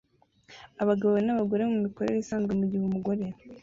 Abagabo n'abagore mumikorere isanzwe mugihe umugore